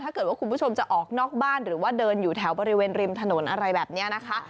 คุณผู้ชมจะออกนอกบ้านหรือว่าเดินอยู่แถวบริเวณริมถนนอะไรแบบนี้นะคะ